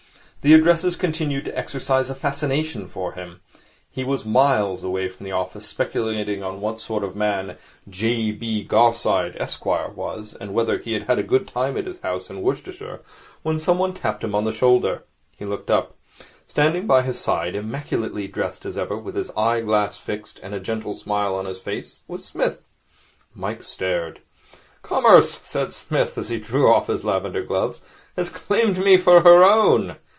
The addresses continued to exercise a fascination for him. He was miles away from the office, speculating on what sort of a man J. B. Garside, Esq, was, and whether he had a good time at his house in Worcestershire, when somebody tapped him on the shoulder. He looked up. Standing by his side, immaculately dressed as ever, with his eye glass fixed and a gentle smile on his face, was Psmith. Mike stared. 'Commerce,' said Psmith, as he drew off his lavender gloves, 'has claimed me for her own.